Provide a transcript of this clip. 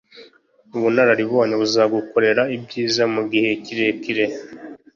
Ubunararibonye buzagukorera ibyiza mugihe kirekire